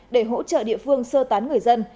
để hỗ trợ địa phương sơ tán người dân